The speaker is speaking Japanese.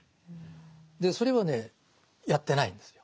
でそれはねやってないんですよ。